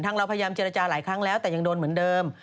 เราพยายามเจรจาหลายครั้งแล้วแต่ยังโดนเหมือนเดิม